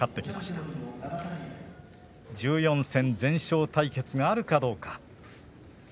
１４戦全勝対決があるかどうか。